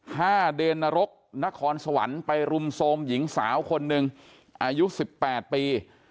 ห้าเดนนรกนครสวรรค์ไปรุมโทรมหญิงสาวคนหนึ่งอายุสิบแปดปี